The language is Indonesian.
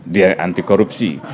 dia anti korupsi